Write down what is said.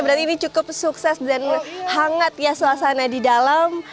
berarti ini cukup sukses dan hangat ya suasana di dalam